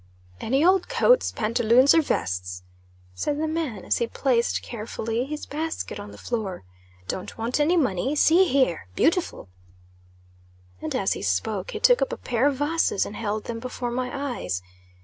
"Any old coats, pantaloons or vests?" said the man, as he placed, carefully, his basket on the floor. "Don't want any money. See here! Beautiful!" And as he spoke, he took up a pair of vases and held them before my eyes.